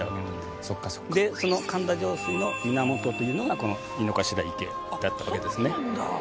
でその神田上水の源というのがこの井の頭池だったわけですね。